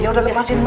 ya udah lepasin mak